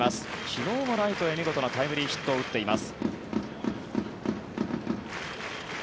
昨日もライトへ見事なタイムリーヒットを打っています。